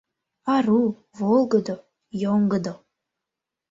Ару, волгыдо, йоҥгыдо.